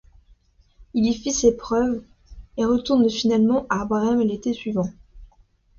Il y fait ses preuves, et retourne finalement à Brême l'été suivant.